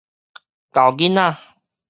猴囡仔